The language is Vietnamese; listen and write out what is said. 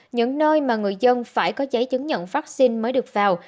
những nơi mà người dân phải có giấy chứng nhận vaccine mới được vào